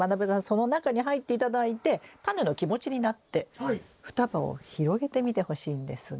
その中に入って頂いてタネの気持ちになって双葉を広げてみてほしいんですが。